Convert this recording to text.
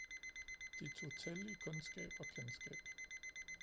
De tog til i kundskab og kendskab